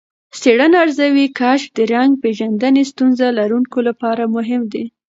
څېړنه ارزوي، کشف د رنګ پېژندنې ستونزه لرونکو لپاره مهم دی.